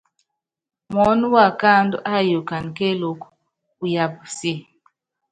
Muɔ́nɔ wákáandú áyukana kéelúku, uyaapa si.